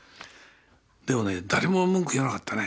でもね誰も文句言わなかったね。